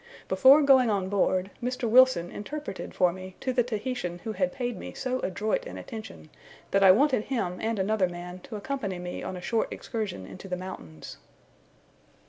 Before going on board, Mr. Wilson interpreted for me to the Tahitian who had paid me so adroit an attention, that I wanted him and another man to accompany me on a short excursion into the mountains.